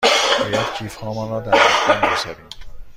باید کیف هامان را در رختکن بگذاریم.